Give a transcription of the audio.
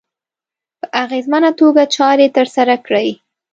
په اغېزمنه توګه چارې ترسره کړي.